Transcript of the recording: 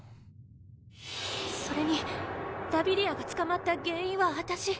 それにラビリアが捕まった原因は私。